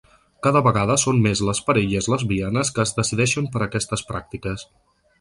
Cada vegada són més les parelles lesbianes que es decideixen per aquestes pràctiques.